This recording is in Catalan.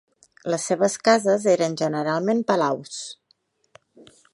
Les seves cases eren generalment palaus.